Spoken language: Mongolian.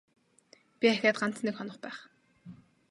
Би ахиад ганц нэг хонох байх.